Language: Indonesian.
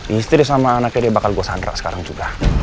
istri sama anaknya dia bakal gue sandra sekarang juga